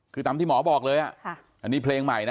คือตามที่หมอบอกเลยอันนี้เพลงใหม่นะ